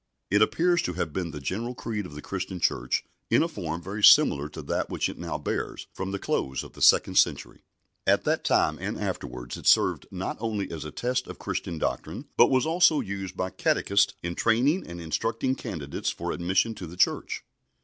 It appears to have been the general creed of the Christian Church, in a form very similar to that which it now bears, from the close of the second century. At that time and afterwards it served not only as a test of Christian doctrine, but was also used by catechists in training and instructing candidates for admission to the Church.